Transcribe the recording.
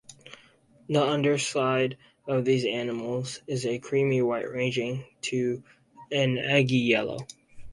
The underside of these animals is a creamy white ranging to an eggy yellow.